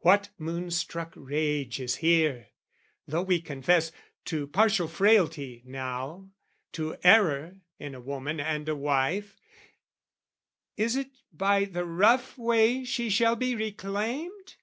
What moonstruck rage is here? Though we confess to partial frailty now, To error in a woman and a wife, Is 't by the rough way she shall be reclaimed?